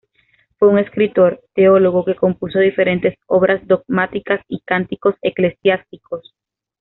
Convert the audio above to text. Fue un escritor, teólogo que compuso diferentes obras dogmáticas y cánticos eclesiásticos.